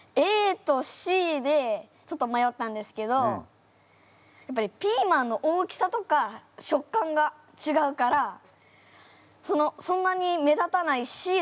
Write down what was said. ＡとＣでちょっとまよったんですけどやっぱりピーマンの大きさとか食感がちがうからそんなに目立たないＣだと思ったから。